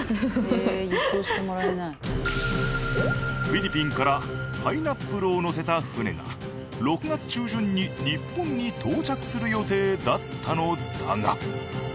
フィリピンからパイナップルを載せた船が６月中旬に日本に到着する予定だったのだが。